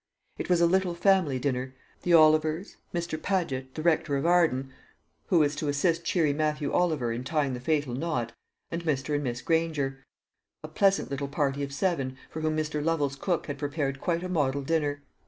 It was a little family dinner the Olivers, Mr. Padget, the rector of Arden, who was to assist cheery Matthew Oliver in tying the fatal knot, and Mr. and Miss Granger a pleasant little party of seven, for whom Mr. Lovel's cook had prepared quite a model dinner.